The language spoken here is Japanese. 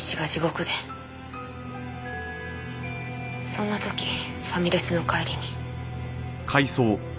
そんな時ファミレスの帰りに。